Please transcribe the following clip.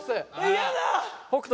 嫌だ！